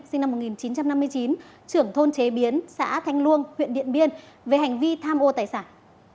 sinh năm một nghìn chín trăm năm mươi chín trưởng thôn chế biến xã thanh luông huyện điện biên về hành vi tham ô tài sản